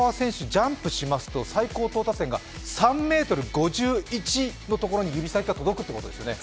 ジャンプしますと最高到達点が３ｍ５１のところに指先が届くということです。